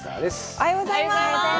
おはようございます。